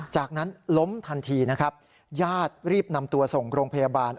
จากนั้นล้มทันทีนะครับญาติรีบนำตัวส่งโรงพยาบาล